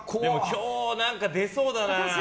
今日、出そうだな。